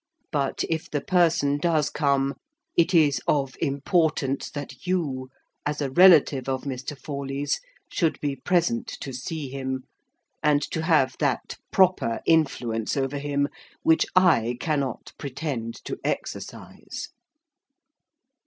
But, if the person does come, it is of importance that you, as a relative of Mr. Forley's should be present to see him, and to have that proper influence over him which I cannot pretend to exercise."